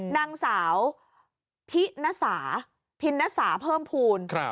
นางสาวพินสาพินสาเพิ่มภูมิ